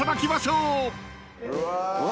うわ。